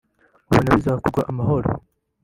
ubona bizakugwa amahoro